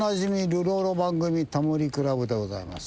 流浪の番組『タモリ倶楽部』でございます。